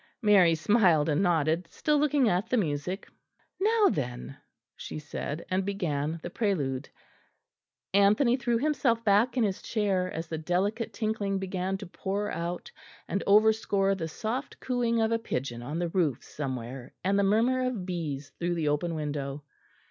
Mary smiled and nodded, still looking at the music. "Now then," she said, and began the prelude. Anthony threw himself back in his chair as the delicate tinkling began to pour out and overscore the soft cooing of a pigeon on the roofs somewhere and the murmur of bees through the open window.